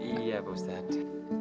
iya pak ustadz